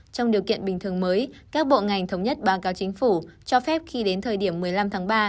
trong điều kiện bình thường mới các bộ ngành thống nhất báo cáo chính phủ cho phép khi đến thời điểm một mươi năm tháng ba